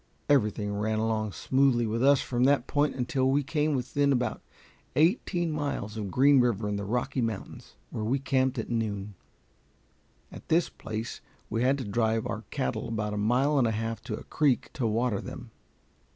Everything ran along smoothly with us from that point until we came within about eighteen miles of Green River, in the Rocky Mountains, where we camped at noon. At this place we had to drive our cattle about a mile and a half to a creek to water them.